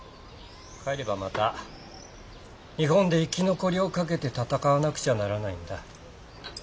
帰ればまた日本で生き残りを懸けて闘わなくちゃならないんだ。